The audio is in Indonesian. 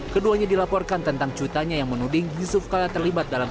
keduanya dilaporkan tentang cuitannya yang menuding yusuf kala terlibat dalam